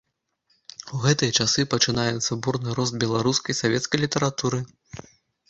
У гэтыя часы пачынаецца бурны рост беларускай савецкай літаратуры.